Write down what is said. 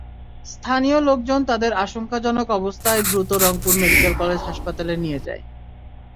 স্থানীয় লোকজন তাঁদের আশঙ্কাজনক অবস্থায় দ্রুত রংপুর মেডিকেল কলেজ হাসপাতালে নিয়ে যায়।